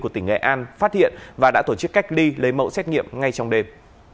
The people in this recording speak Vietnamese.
của tỉnh nghệ an phát hiện và đã tổ chức cách ly lấy mẫu xét nghiệm ngay trong đêm